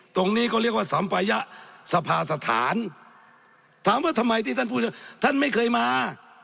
ตรงนี้ก็เรียกว่าสัมปะยะสภาสถานถามว่าทำไมที่ท่านพูดท่านไม่เคยมา